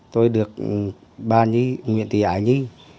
tôi được ba nhi nguyễn thị ái nhi